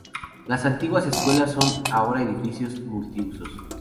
Las antiguas escuelas son ahora edificio multiusos.